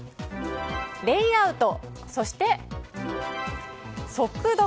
レイアウト、そして速読。